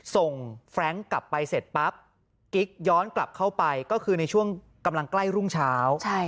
แฟรงค์กลับไปเสร็จปั๊บกิ๊กย้อนกลับเข้าไปก็คือในช่วงกำลังใกล้รุ่งเช้า